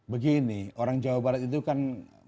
begini orang jawa barat itu kan